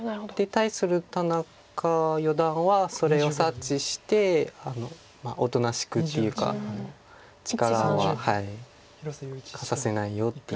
対する田中四段はそれを察知しておとなしくっていうか力は出させないよっていう。